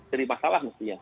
jadi masalah mestinya